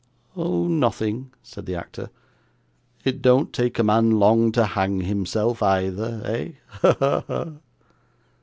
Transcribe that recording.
'Oh! nothing,' said the actor. 'It don't take a man long to hang himself, either, eh? ha, ha!